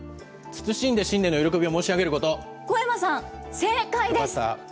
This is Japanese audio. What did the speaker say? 謹んで新年の喜びを申し上げるこ小山さん、正解です。